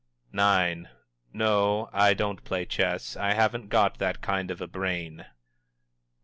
_" IX. "No, I don't play chess. I haven't got that kind of a brain." X.